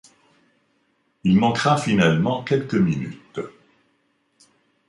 Il manquera finalement quelques minutes.